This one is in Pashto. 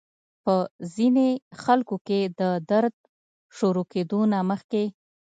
پۀ ځينې خلکو کې د درد شورو کېدو نه مخکې